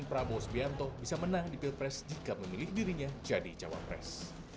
prabowo sbianto bisa menang di pilpres jika memilih dirinya jadi cawapres